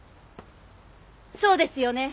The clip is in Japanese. そうですよね？